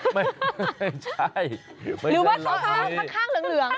ไม่ใช่หรือว่าข้างเหลือง